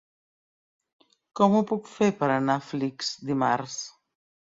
Com ho puc fer per anar a Flix dimarts?